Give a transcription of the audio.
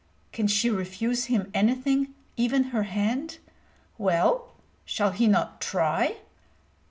Can she refuse him anything, even her hand? Well, shall he not try?